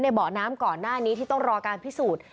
เบาะน้ำก่อนหน้านี้ที่ต้องรอการพิสูจน์